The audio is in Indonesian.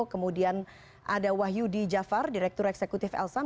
kemudian ada wahyudi jafar direktur eksekutif elsam